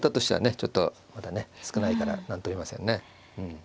ちょっとまだね少ないから何とも言えませんね。